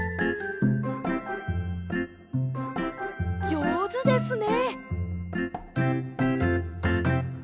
じょうずですね。